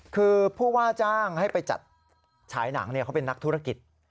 คือผู้ว่าจ้างให้ไปจัดฉายหนังเขาเป็นนักธุรกิจ